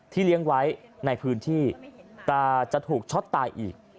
เลี้ยงไว้ในพื้นที่แต่จะถูกช็อตตายอีก